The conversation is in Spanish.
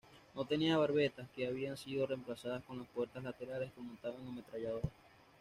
No tenía barbetas, que habían sido reemplazadas con puertas laterales que montaban ametralladoras.